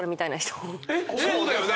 そうだよね！